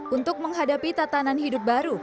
untuk menghadapi tatanan hidup baru